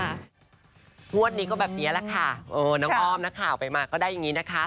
งวดนี้ก็แบบนี้แหละค่ะเออน้องอ้อมนักข่าวไปมาก็ได้อย่างนี้นะคะ